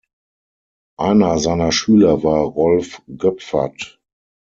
Einer seiner Schüler war Rolf Göpfert.